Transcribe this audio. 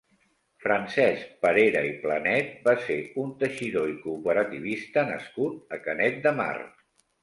Francesc Parera i Planet va ser un teixidor i cooperativista nascut a Canet de Mar.